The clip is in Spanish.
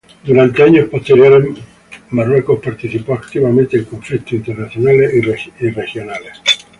Durante años posteriores, Marruecos participó activamente en conflictos internacionales y regionales.